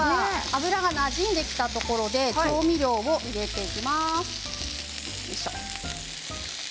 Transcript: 油がなじんできたところで調味料を入れていきます。